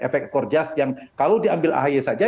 efek gorgeous yang kalau diambil ahy saja